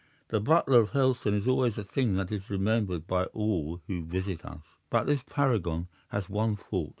The butler of Hurlstone is always a thing that is remembered by all who visit us. "'But this paragon has one fault.